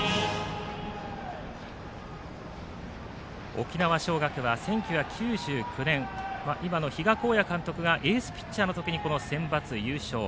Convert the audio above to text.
沖縄尚学は１９９９年今の比嘉公也監督がエースピッチャーのときにセンバツ優勝。